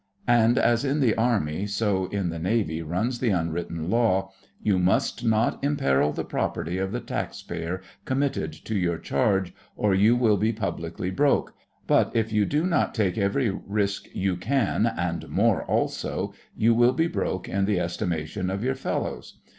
And as in the Army so in the Navy runs the unwritten Law: 'You must not imperil the property of the taxpayer committed to your charge or you will be publicly broke; but if you do not take every risk you can and more also you will be broke in the estimation of your fellows.